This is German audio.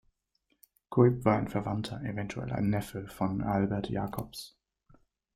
Cuyp war ein Verwandter, eventuell ein Neffe, von Aelbert Jacobsz.